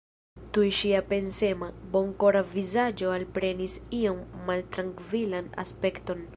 Tuj ŝia pensema, bonkora vizaĝo alprenis iom maltrankvilan aspekton.